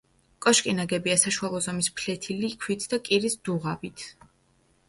კოშკი ნაგებია საშუალო ზომის ფლეთილი ქვით და კირის დუღაბით.